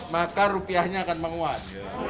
maka rupiahnya akan menguat